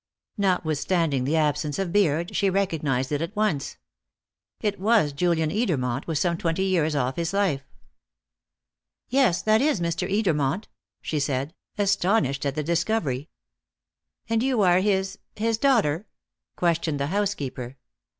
Notwithstanding the absence of beard, she recognised it at once. It was Julian Edermont, with some twenty years off his life. "Yes, that is Mr. Edermont," she said, astonished at the discovery. "And you are his his daughter?" questioned the housekeeper.